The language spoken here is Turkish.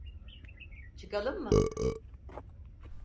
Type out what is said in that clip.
Çıkalım mı?